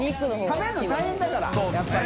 食べるの大変だからやっぱり。